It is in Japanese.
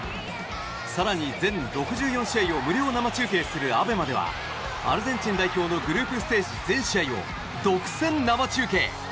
更に、全６４試合を無料生中継するＡＢＥＭＡではアルゼンチン代表のグループステージ全試合を独占生中継。